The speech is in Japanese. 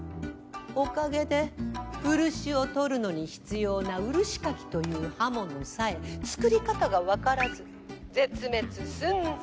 おかげで漆を採るのに必要な漆掻きという刃物さえ作り方が分からず絶滅寸前。